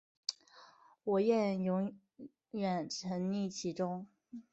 我愿永远沈溺其中